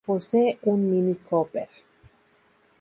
Posee un Mini Cooper.